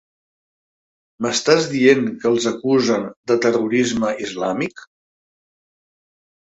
M'estàs dient que els acusen de terrorisme islàmic?